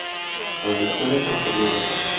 Ediciones anteriores